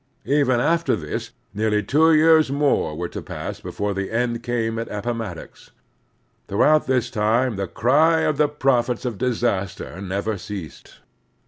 Even after this nearly two years more were to pass before the end came at Appomattox. Throughout this time the cry of the prophets of disaster never ceased.